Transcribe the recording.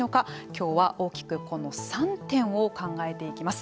今日は大きくこの３点を考えていきます。